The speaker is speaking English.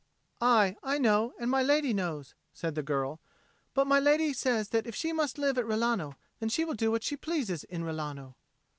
"Aye, I know, and my lady knows," said the girl. "But my lady says that if she must live at Rilano, then she will do what she pleases in Rilano."